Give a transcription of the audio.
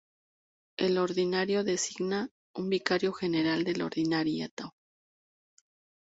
El ordinario designa un vicario general del ordinariato.